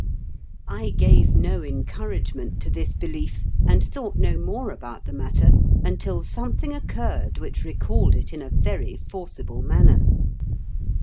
I gave no encouragement to this belief, and thought no more about the matter until something occurred which recalled it in a very forcible manner.